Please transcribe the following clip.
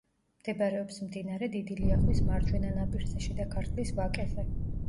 მდებარეობს მდინარე დიდი ლიახვის მარჯვენა ნაპირზე, შიდა ქართლის ვაკეზე.